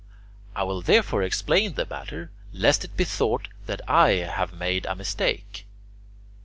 I will therefore explain the matter, lest it be thought that I have made a mistake.